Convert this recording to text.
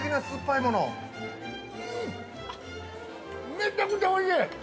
めちゃくちゃおいしい。